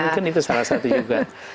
mungkin itu salah satu juga